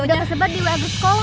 udah tersebar di wa sekolah kak